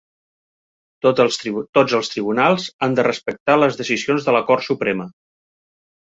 Tots els tribunals han de respectar les decisions de la Cort Suprema.